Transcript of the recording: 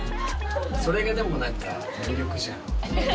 それがでも何か魅力じゃん